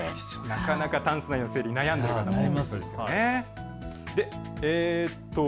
なかなかタンス内の整理、悩んでいる人もいますよね。